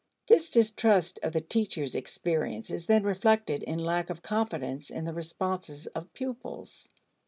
This distrust of the teacher's experience is then reflected in lack of confidence in the responses of pupils.